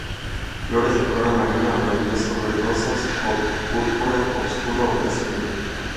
Flores de color amarillo, amarillo-verdosos o púrpura, oscuro a casi negro.